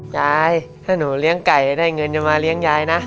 ยายถ้าหนูเลี้ยงไก่ได้เงินจะมาเลี้ยงยายนะ